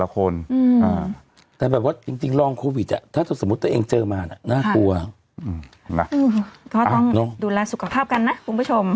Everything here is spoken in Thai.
ก็ต้องดูแลสุขภาพกันนะคุณผู้ชม